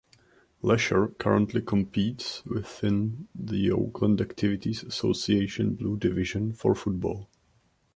Lahser currently competes within the Oakland Activities Association Blue Division for football.